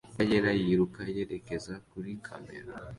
Imbwa yera yiruka yerekeza kuri kamera